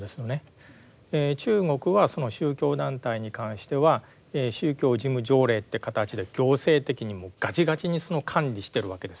中国はその宗教団体に関しては宗教事務条例という形で行政的にもうガチガチにその管理してるわけですよ。